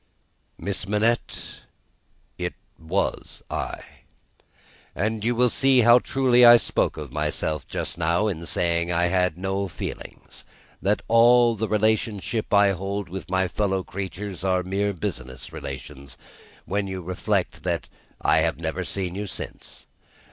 "Miss Manette, it was I. And you will see how truly I spoke of myself just now, in saying I had no feelings, and that all the relations I hold with my fellow creatures are mere business relations, when you reflect that I have never seen you since.